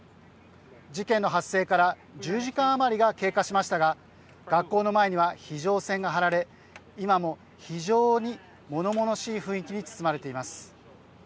事件の発生から１０時間余りが経過しましたが学校の前には非常線が張られ今も非常にものものしい雰囲気に包まれています。